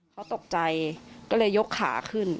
เขาตกใจก็เลยยกขาขึ้น